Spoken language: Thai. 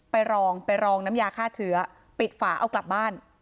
รองไปรองน้ำยาฆ่าเชื้อปิดฝาเอากลับบ้าน